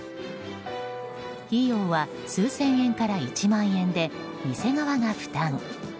費用は数千円から１万円で店側が負担。